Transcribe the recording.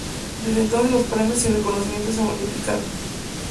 Desde entonces los premios y reconocimientos se multiplicaron.